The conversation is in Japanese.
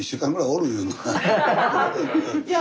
いや